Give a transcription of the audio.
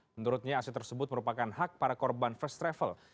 menurutnya aset tersebut merupakan hak para korban first travel